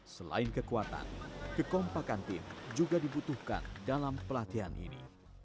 selain kekuatan kekompakan tim juga dibutuhkan dalam pelatihan ini